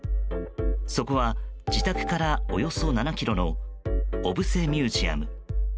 そこは、自宅からおよそ７ｋｍのおぶせミュージアム。